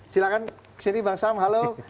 silahkan kesini bang sam halo